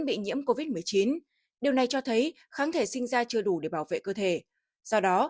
bị nhiễm covid một mươi chín điều này cho thấy kháng thể sinh ra chưa đủ để bảo vệ cơ thể do đó